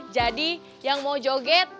jadi yang mau joget